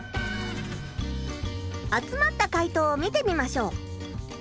集まった回答を見てみましょう。